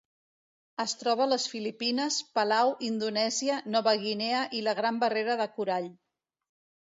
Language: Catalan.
Es troba a les Filipines, Palau, Indonèsia, Nova Guinea i la Gran Barrera de Corall.